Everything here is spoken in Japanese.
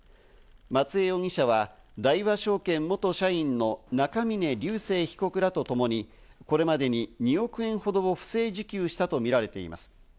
松江容疑者は大和証券元社員の中峯竜晟被告らとともにこれまでに２億円ほどを不正受給したとみられています。